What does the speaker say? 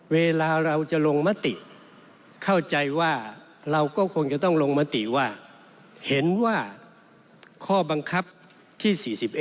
เวลาเราจะลงมติเข้าใจว่าเราก็คงจะต้องลงมติว่าเห็นว่าข้อบังคับที่๔๑